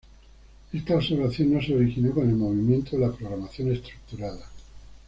Esta observación no se originó con el movimiento de la programación estructurada.